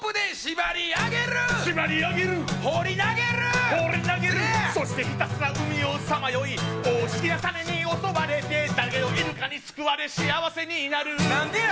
放り投げる放り投げるそしてひたすら海をさまよい大きなサメに襲われてだけどイルカに救われ幸せになる何でや！？